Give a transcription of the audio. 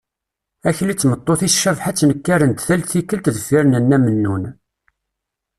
Akli d tmeṭṭut-is Cabḥa ttnekkaren-d tal tikkelt deffir n nna Mennun.